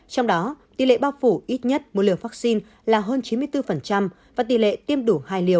trong đó tỷ lệ bao phủ ít nhất một liều vaccine là hơn chín mươi bốn và tỷ lệ tiêm đủ hai liều